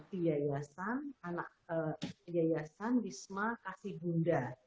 di yayasan bisma kasih bunda